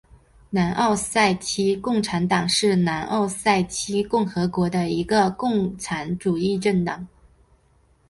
南奥塞梯共产党是南奥塞梯共和国的一个共产主义政党。